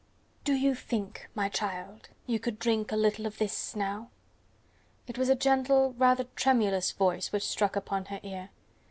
"Do you think, my child, you could drink a little of this now?" It was a gentle, rather tremulous voice which struck upon her ear.